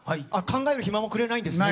考える暇もくれないんですね。